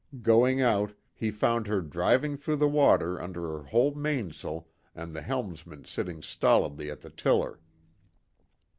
Going out, he found her driving through the water under her whole mainsail and the helmsman sitting stolidly at the tiller.